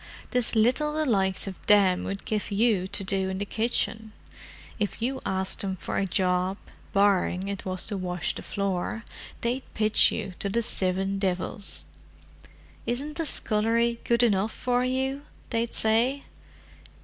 'Tis little the likes of them 'ud give you to do in the kitchen: if you asked them for a job, barring it was to wash the floor, they'd pitch you to the Sivin Divils. 'Isn't the scullery good enough for you?' they'd say.